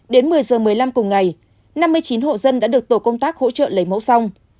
đến một mươi giờ một mươi năm cùng ngày năm mươi chín hộ dân đã được tổ công tác hỗ trợ lấy mẫu xong